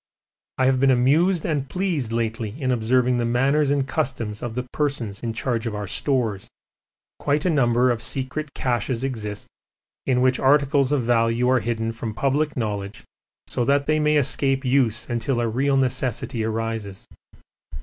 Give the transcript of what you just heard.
I have been amused and pleased lately in observing the manners and customs of the persons in charge of our stores; quite a number of secret caches exist in which articles of value are hidden from public knowledge so that they may escape use until a real necessity arises.